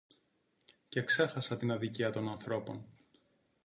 Και ξέχασα την αδικία των ανθρώπων